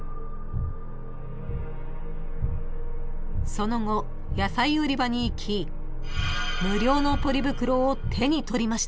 ［その後野菜売り場に行き無料のポリ袋を手に取りました］